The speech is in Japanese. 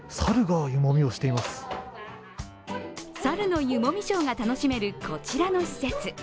猿の湯もみショーが楽しめるこちらの施設。